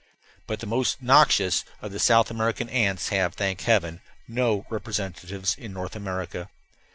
But the most noxious of the South American ants have, thank heaven, no representatives in North America.